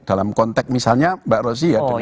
dalam konteks misalnya mbak rozi ya